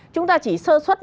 chúng ta chỉ sơ xuất